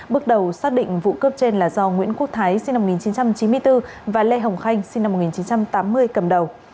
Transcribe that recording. bước đầu xác định vụ cướp trên là do nguyễn quốc thái sinh năm một nghìn chín trăm chín mươi bốn và lê hồng khanh sinh năm một nghìn chín trăm tám mươi cầm đầu